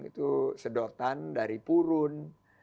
itu sedotan dari purun